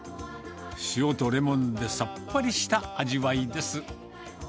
塩とレモンでさっぱりした味わいです。